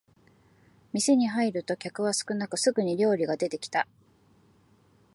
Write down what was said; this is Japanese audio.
店に入ると客は少なくすぐに料理が出てきた